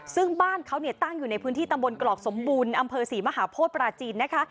ซึ่งบ้านเขาตั้งอยู่ในพื้นที่ตำบลกรอกสมบูรณ์อำเภอศรีมหาโพธิปราจีนนะคะ